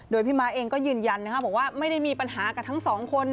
โดยพี่ม้าเองก็ยืนยันบอกว่าไม่ได้มีปัญหากับทั้งสองคน